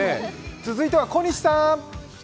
続いては小西さん。